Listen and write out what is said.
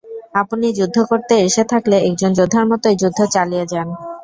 আপনি যুদ্ধ করতে এসে থাকলে একজন যোদ্ধার মতই যুদ্ধ চালিয়ে যান।